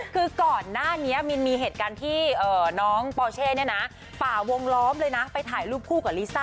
คือก่อนหน้านี้มินมีเหตุการณ์ที่น้องปอเช่เนี่ยนะฝ่าวงล้อมเลยนะไปถ่ายรูปคู่กับลิซ่า